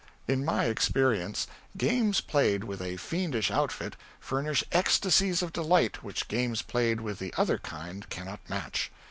In my experience, games played with a fiendish outfit furnish ecstasies of delight which games played with the other kind cannot match.